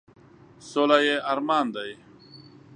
سوله یې ارمان دی ،.